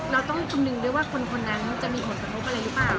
เราต้องคำนึงด้วยว่าคนนั้นจะมีผลกระทบอะไรหรือเปล่า